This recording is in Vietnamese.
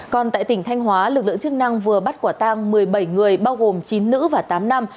còn tại tỉnh thanh hóa lực lượng chức năng vừa bắt quả tang một mươi bảy người bao gồm chín nữ và tám nam